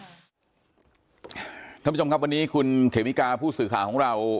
ท่านผู้ชมครับวันนี้คุณเขมิกาผู้สื่อข่าวของเรา